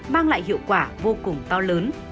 mang lại hiệu quả vô cùng to lớn